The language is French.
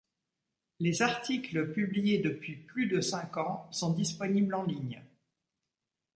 Les articles publiés depuis plus de cinq ans sont disponibles en ligne.